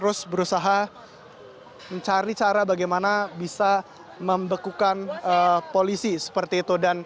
dan di sini juga terlihat bahwa mahasiswa terus berusaha mencari cara bagaimana bisa membekukan polisi seperti itu